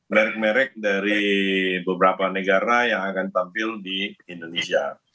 merek merek dari beberapa negara yang akan tampil di indonesia